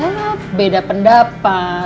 ya beda pendapat